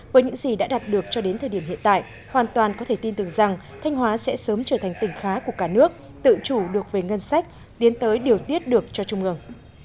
với những gì đã đạt được cho đến thời điểm hiện tại hoàn toàn có thể tin tưởng rằng thanh hóa sẽ sớm trở thành tỉnh khá của cả nước tự chủ được về ngân sách tiến tới điều tiết được cho trung ương